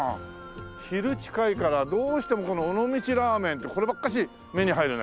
昼近いからどうしてもこの「尾道ラーメン」ってこればっかし目に入るね。